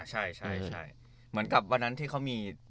ใช่เหมือนกับวันนั้นที่เขามี